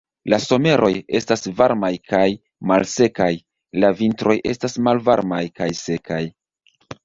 La someroj estas varmaj kaj malsekaj, la vintroj estas malvarmaj kaj sekaj.